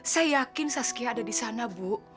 saya yakin saskia ada di sana bu